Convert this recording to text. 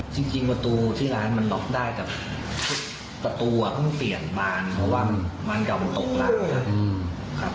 จริงประตูที่ร้านมันล็อคได้แต่ประตูต้องเปลี่ยนบานเพราะว่ามันเก่าตกละ